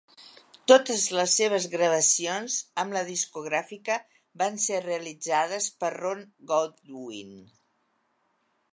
Totes les seves gravacions amb la discogràfica van ser realitzades per Ron Goodwin.